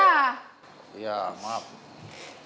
assalamualaikum ya ya ya